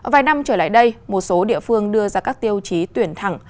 vài năm trở lại đây một số địa phương đưa ra các tiêu chí tuyển thẳng